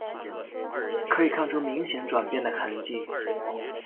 可以看出明显转变的痕迹